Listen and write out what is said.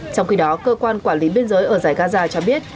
trong khi đó cơ quan quản lý biên giới ở giải gaza cho biết